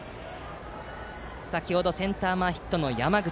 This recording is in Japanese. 先程、センター前ヒットの山口。